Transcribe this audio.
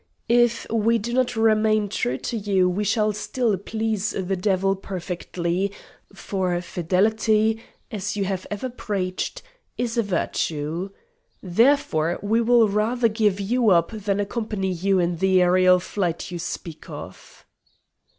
If we do not remain true to you we shall still please the Devil perfectly, for fidelity as you have ever preached is a virtue. Therefore we will rather give you up than accompany you in the aërial flight you speak of."